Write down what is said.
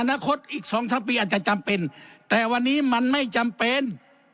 อนาคตอีกสองสามปีอาจจะจำเป็นแต่วันนี้มันไม่จำเป็น